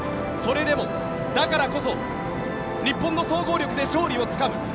それでも、だからこそ日本の総合力で勝利をつかむ。